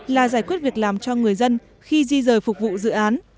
là giải quyết việc làm cho người dân khi di rời phục vụ dự án